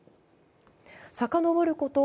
さかのぼること